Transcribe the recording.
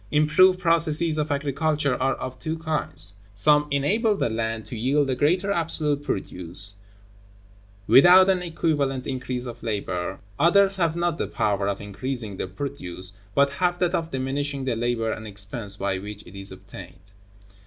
Improved processes of agriculture are of two kinds: (1) some enable the land to yield a greater absolute produce, without an equivalent increase of labor; (2) others have not the power of increasing the produce, but have that of diminishing the labor and expense by which it is obtained.